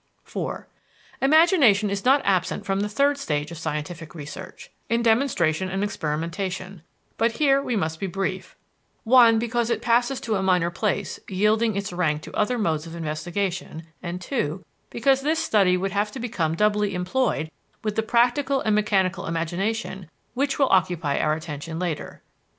IV Imagination is not absent from the third stage of scientific research, in demonstration and experimentation, but here we must be brief, (1) because it passes to a minor place, yielding its rank to other modes of investigation, and (2) because this study would have to become doubly employed with the practical and mechanical imagination, which will occupy our attention later.